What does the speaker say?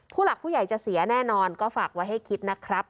ผู้หลักผู้ใหญ่จะเสียแน่นอนก็ฝากไว้ให้คิดนะครับ